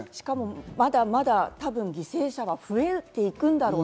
まだまだ多分、犠牲者は増えていくんだろうな。